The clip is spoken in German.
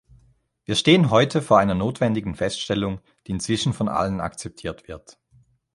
Wir stehen heute vor einer notwendigen Feststellung, die inzwischen von allen akzeptiert wird.